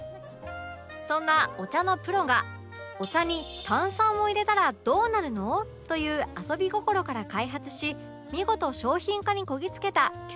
そんなお茶のプロが「お茶に炭酸を入れたらどうなるの？」という遊び心から開発し見事商品化にこぎつけた奇跡のひと品